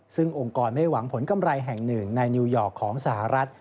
ซึ่งองค์กรไม่หวังผลกำไรแห่งหนึ่งในนิวยอร์กของสหรัฐ